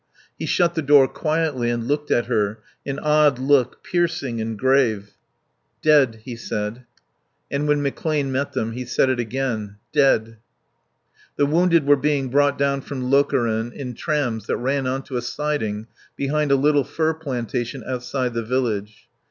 He shut the door quietly and looked at her, an odd look, piercing and grave. "Dead," he said. And when McClane met them he said it again, "Dead." The wounded were being brought down from Lokeren in trams that ran on to a siding behind a little fir plantation outside the village.